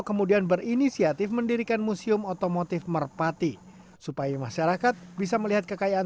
kemudian berinisiatif mendirikan museum otomotif merpati supaya masyarakat bisa melihat kekayaan